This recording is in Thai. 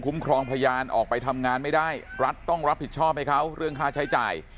ครองพยานออกไปทำงานไม่ได้รัฐต้องรับผิดชอบให้เขาเรื่องค่าใช้จ่าย